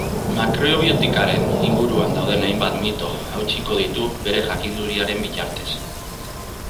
Makrobiotikaren inguruan dauden hainbat mito hautsiko ditu bere jakinduriaren bitartez.